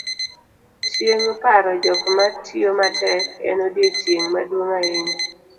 chieng' paro jok matiyo matek, en odiochieng' maduong' ahinya